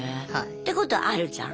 ってことはあるじゃん？